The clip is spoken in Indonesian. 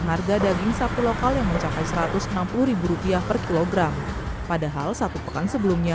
harga daging sapi lokal yang mencapai satu ratus enam puluh rupiah per kilogram padahal satu pekan sebelumnya